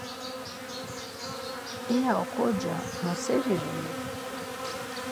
İya oxorca noseri reni?